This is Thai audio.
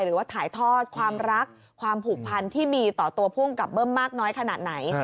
หรือว่าถ่ายทอดความรักความผูกพันที่มีต่อตัวผู้กำกับเบิ้มมากน้อยขนาดไหน